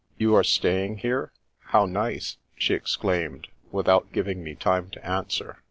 " You are staying here ? How nice !" she ex claimed, without giving me time to answer.